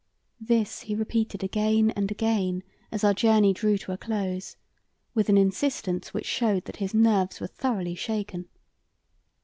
This he repeated again and again as our journey drew to a close, with an insistence which showed that his nerves were thoroughly shaken.